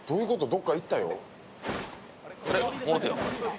どっか行ったよ。